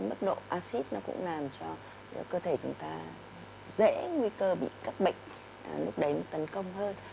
mức độ acid nó cũng làm cho cơ thể chúng ta dễ nguy cơ bị các bệnh lúc đấy nó tấn công hơn